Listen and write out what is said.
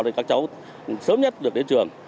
để các cháu sớm nhất được đến trường